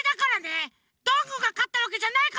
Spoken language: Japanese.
どんぐーがかったわけじゃないからね！